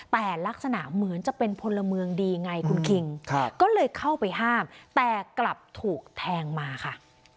แต่ลักษณะเหมือนจะเป็นพลเมืองดีไงคุณคิงก็เลยเข้าไปห้ามแต่กลับถูกแทงมาค่ะ